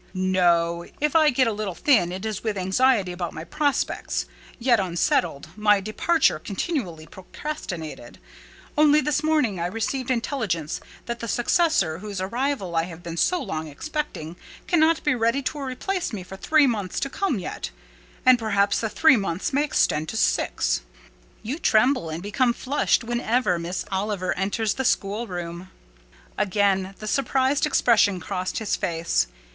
"No. If I get a little thin, it is with anxiety about my prospects, yet unsettled—my departure, continually procrastinated. Only this morning, I received intelligence that the successor, whose arrival I have been so long expecting, cannot be ready to replace me for three months to come yet; and perhaps the three months may extend to six." "You tremble and become flushed whenever Miss Oliver enters the schoolroom." Again the surprised expression crossed his face.